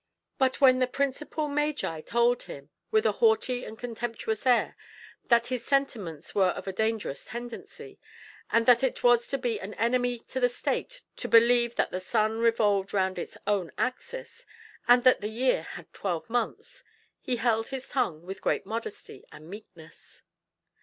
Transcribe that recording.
But when the principal magi told him, with a haughty and contemptuous air, that his sentiments were of a dangerous tendency, and that it was to be an enemy to the state to believe that the sun revolved round its own axis, and that the year had twelve months, he held his tongue with great modesty and meekness.